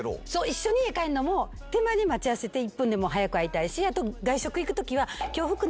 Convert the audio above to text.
一緒に家帰るのも手前で待ち合わせて１分でも早く会いたいしあと外食行くときは。